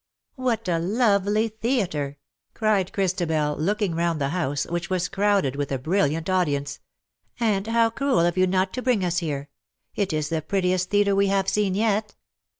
" What a lovely theatre V cried Christabel, look ing round the house, which was crowded with a brilliant audience ;^^ and how cruel of you not to bring us here ! It is the prettiest theatre we have seen yet.''''